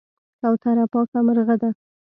کوتره پاکه مرغه ده.